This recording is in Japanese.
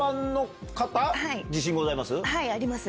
自信ございます？